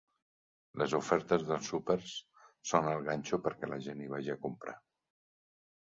Les ofertes dels súpers són el ganxo perquè la gent hi vagi a comprar.